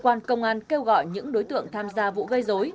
cơ quan công an kêu gọi những đối tượng tham gia vụ gây dối